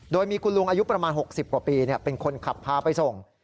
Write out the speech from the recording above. โดยมีคุณลุงอายุประมาณ๖๐กว่าปีเป็นคนขับพาไปส่ง